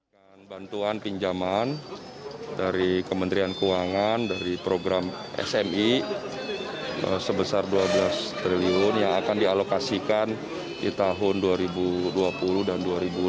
bantuan pinjaman dari kementerian keuangan dari program smi sebesar dua belas triliun yang akan dialokasikan di tahun dua ribu dua puluh dan dua ribu dua puluh